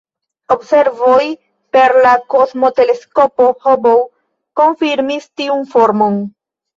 Observoj per la kosmoteleskopo Hubble konfirmis tiun formon.